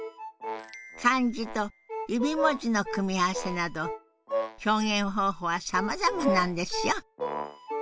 漢字と指文字の組み合わせなど表現方法はさまざまなんですよ。